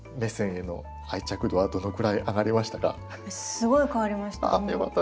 すごい変わりました。